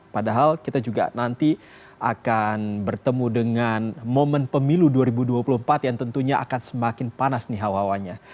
padahal kita juga nanti akan bertemu dengan momen pemilu dua ribu dua puluh empat yang tentunya akan semakin panas nih hawa hawanya